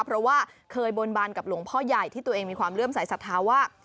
เพราะว่าเคยบนบานกับหลวงพ่อใหญ่ที่ตัวเองมีความเลื่อมสายศรัทธาว่า